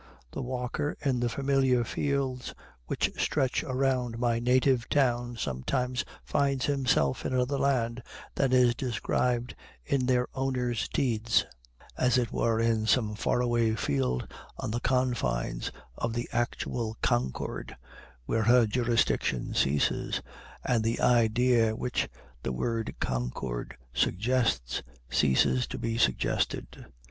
The walker in the familiar fields which stretch around my native town sometimes finds himself in another land than is described in their owners' deeds, as it were in some far away field on the confines of the actual Concord, where her jurisdiction ceases, and the idea which the word Concord suggests ceases to be suggested.